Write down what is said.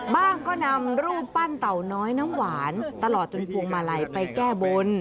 บ้างก็นำรูปปั้นเต่าน้อยน้ำหวานตลอดจนพวงมาลัยไปแก้บน